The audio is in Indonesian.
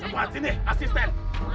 cepat sini asisten